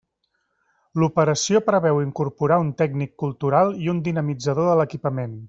L'operació preveu incorporar un tècnic cultural i un dinamitzador de l'equipament.